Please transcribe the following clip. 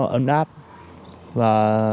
ấn áp và